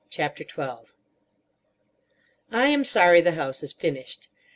CHAPTER XII I AM sorry the house is finished.